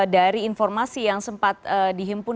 dari informasi yang sempat dihimpun